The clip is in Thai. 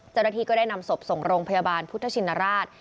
เจ้าหน้าที่ก็ได้นำศพส่งโรงพยาบาลพุทธชินราช